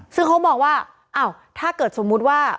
ซึ่งเขามองว่าอ้าวถ้าเกิดสมมุติว่า